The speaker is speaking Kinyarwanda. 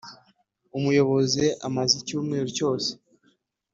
umuyobozi amaze icyumweru cyose